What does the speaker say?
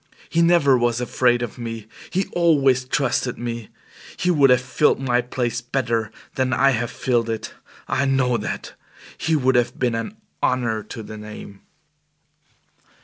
He never was afraid of me he always trusted me. He would have filled my place better than I have filled it. I know that. He would have been an honor to the name."